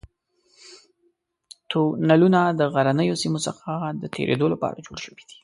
تونلونه د غرنیو سیمو څخه د تېرېدو لپاره جوړ شوي دي.